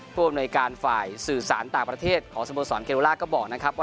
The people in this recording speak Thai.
ผู้อำนวยการฝ่ายสื่อสารต่างประเทศของสโมสรเกลล่าก็บอกนะครับว่า